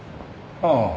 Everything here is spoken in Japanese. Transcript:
ああ。